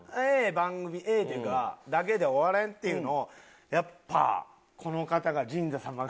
番組ええっていうかだけで終われんっていうのをやっぱこの方がジンザ様が。